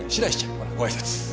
ほらご挨拶。